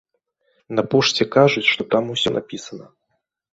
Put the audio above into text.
На пошце кажуць, што там усё напісана.